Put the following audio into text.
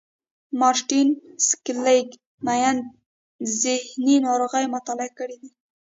مارټين سېليګ مېن ذهني ناروغۍ مطالعه کړې دي.